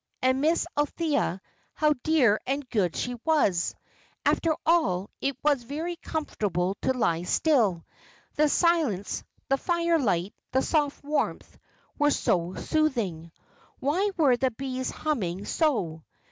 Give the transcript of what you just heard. And Miss Althea, how dear and good she was! After all, it was very comfortable to lie still. The silence, the firelight, the soft warmth, were so soothing. Why were the bees humming so?